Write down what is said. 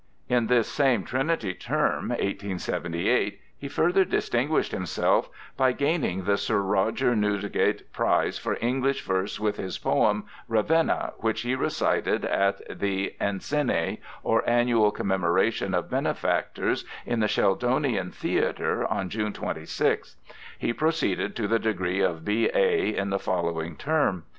In this same Trinity Term, 1878, he further distinguished himself by gaining the Sir Roger Newdigate Prize for English Verse with his poem, 'Ravenna,' which he recited at the Encænia or Annual Commemoration of Benefactors in the Sheldonian Theatre on June 26th. He proceeded to the degree of B. A. in the following term.